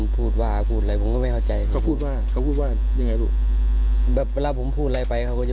พูดว่าครับคุยกันว่า